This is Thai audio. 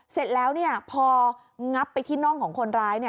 เสร็จแล้วพองับไปที่น่องของคนร้าย